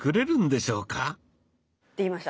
できました。